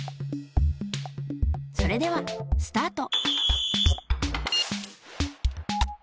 それではスタート。